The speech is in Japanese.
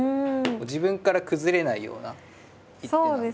自分から崩れないような一手なんで。